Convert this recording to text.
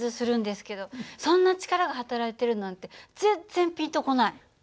そんな力がはたらいてるなんて全然ピンと来ない。